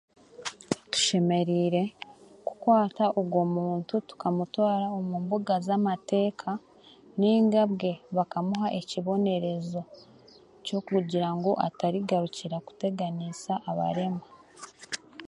tushemereire kukwata ogwo muntu tukamutwara omu mbuga z'amateeka ningabwe bakamuha ekibonerezo kyokugira ngu atarigarukira kuteganisa abarema.